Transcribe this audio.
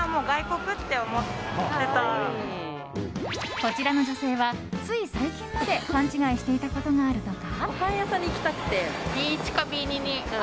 こちらの女性は、つい最近まで勘違いしていたことがあるとか。